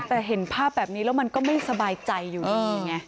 แต่เห็นภาพแบบนี้แล้วมันก็ไม่สบายใจอยู่ดีไง